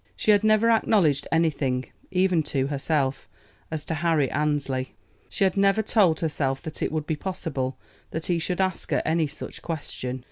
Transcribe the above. She had never acknowledged anything, even to herself, as to Harry Annesley. She had never told herself that it would be possible that he should ask her any such question.